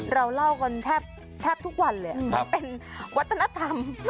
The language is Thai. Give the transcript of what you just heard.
เราเล่ากันแทบทุกวันเลยมันเป็นวัฒนธรรม